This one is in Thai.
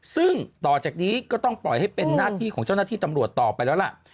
ซึ่งต่อจากนี้ก็ต้องปล่อยให้เป็นหน้าที่ของเจ้าหน้าที่ตำรวจต่อไปแล้วล่ะ